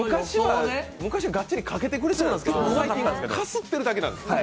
昔は、がっちりかけてくれてたんですけど最近かすっているだけなんですね。